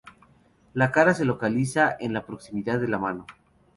La cara se localiza en la proximidad de la mano.